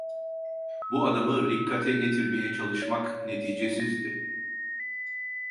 Bu adamı rikkate getirmeye çalışmak neticesizdi…